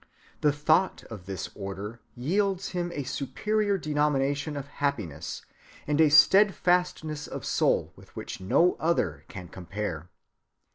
The thought of this order yields him a superior denomination of happiness, and a steadfastness of soul with which no other can compare.